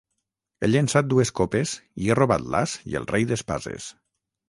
He llençat dues copes i he robat l'as i el rei d'espases.